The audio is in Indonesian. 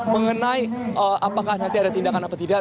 mengenai apakah nanti ada tindakan apa tidak